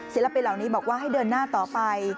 ศิลปินเหล่านี้บอกว่าให้เดินหน้าต่อไป